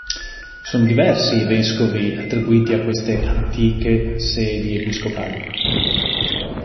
Sono diversi i vescovi attribuiti a queste antiche sedi episcopali.